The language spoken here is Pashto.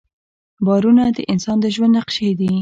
باورونه د انسان د ژوند نقشې دي.